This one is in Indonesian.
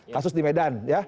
kasus di medan